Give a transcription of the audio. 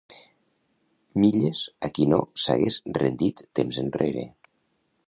Milles a qui no s'hagués rendit temps enrere.